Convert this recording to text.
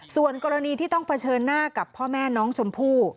ส่วนกรณีที่ต้องเผชิญหน้ากับพ่อแม่น้องชมพู่